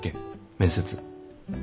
面接。